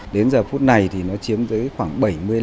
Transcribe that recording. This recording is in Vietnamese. đến giờ phút này thì nó chiếm giấy khoảng bảy mươi năm